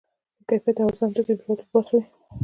بې کیفیته او ارزانه توکي د بې وزلو په برخه وي.